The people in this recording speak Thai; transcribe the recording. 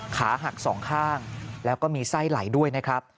ขาหักสองข้างแล้วก็มีไส้ไหลด้วยนะครับ